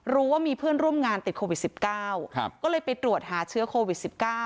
รู้ว่ามีเพื่อนร่วมงานติดโควิด๑๙ก็เลยไปตรวจหาเชื้อโควิด๑๙